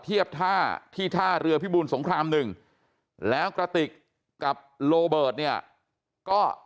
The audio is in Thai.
เทียบท่าที่ท่าเรือพิบูลสงครามหนึ่งแล้วกระติกกับโรเบิร์ตเนี่ยก็